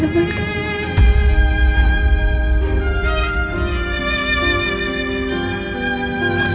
pasti udah kacau grosor